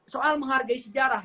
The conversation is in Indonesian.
soal menghargai sejarah